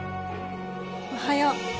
おはよう。